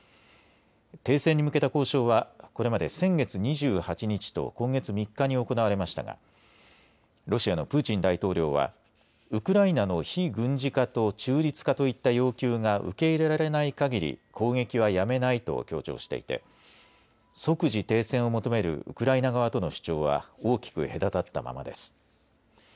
停戦に向けた交渉はこれまで先月２８日と今月３日に行われましたがロシアのプーチン大統領はウクライナの非軍事化と中立化といった要求が受け入れられないかぎり攻撃はやめないと強調していて即時停戦を求めるウクライナ側との主張は大きく隔たったままです。